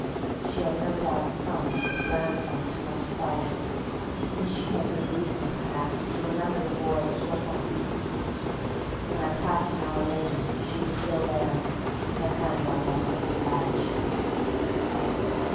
She had no doubt sons and grandsons who must fight, and she had good reason, perhaps, to remember the war of soixante dix. When I passed an hour later she was still there, her hand on the uplifted latch.